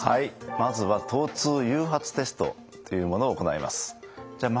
まずは疼痛誘発テストというものを行います。